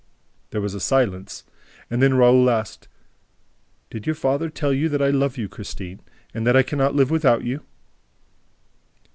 There was a silence; and then Raoul asked: "Did your father tell you that I love you, Christine, and that I can not live without you?"